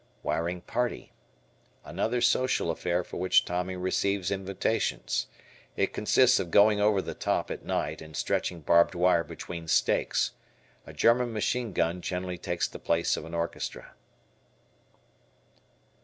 Wiring Party. Another social affair for which Tommy receives invitations. It consists of going "over the top" at night and stretching barbed wire between stakes. A German machine gun generally takes the place of an orchestra.